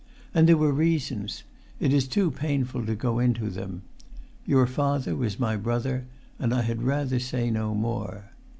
And there were reasons; it is too painful to go into them; your father was my brother, and I had rather say no more.